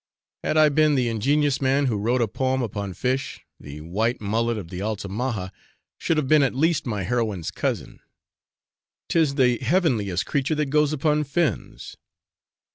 Had I been the ingenious man who wrote a poem upon fish, the white mullet of the Altamaha should have been at least my heroine's cousin. 'Tis the heavenliest creature that goes upon fins.